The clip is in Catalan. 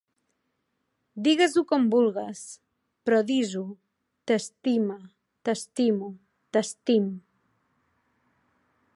Digues-ho com vulgues, però dis-ho: t'estime, t'estimo, t'estim.